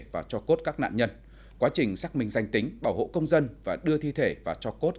và cho cốt các nạn nhân quá trình xác minh danh tính bảo hộ công dân và đưa thi thể và cho cốt